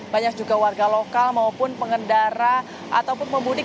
banyak juga warga lokal maupun pengendara ataupun pemudik